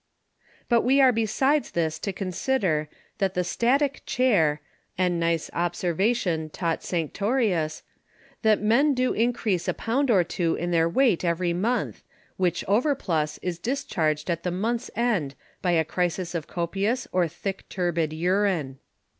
But we are besides this to consider, That the Static Chair, and nice Observation taught Sanctorius, That _Men do increase a Pound or two in their weight every Month, which overplus is discharged at the Months end, by a Crisis of copious, or thick turbid Urine_.